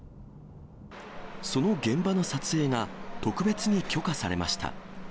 その現場の撮影が特別に許可されました。